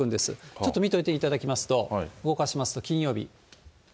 ちょっと見といていただきますと、動かしますと金曜日。